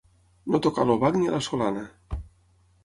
No tocar a l'obac ni a la solana.